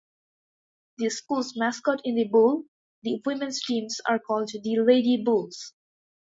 The school's mascot is the Bull, the women's teams are called the "Lady Bulls".